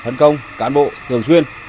hân công cán bộ thường xuyên